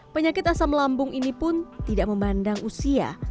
penyakit asam lambung ini pun tidak memandang usia